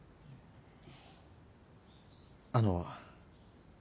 あの。